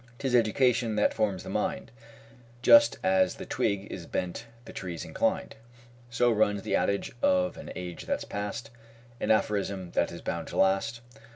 "'Tis Education that forms the mind, Just as the twig is bent the tree's inclined" So runs the adage of an age that's past; An aphorism that is bound to last.